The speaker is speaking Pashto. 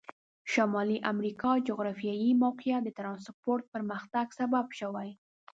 شمالي امریکا جغرافیایي موقعیت د ترانسپورت پرمختګ سبب شوي.